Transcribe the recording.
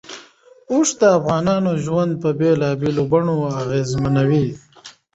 اوښ د افغانانو ژوند په بېلابېلو بڼو اغېزمنوي.